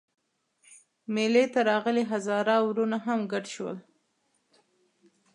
مېلې ته راغلي هزاره وروڼه هم ګډ شول.